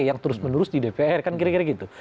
yang terus menerus di dpr kan kira kira gitu